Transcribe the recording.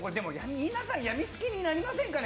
皆さんやみつきになりませんかね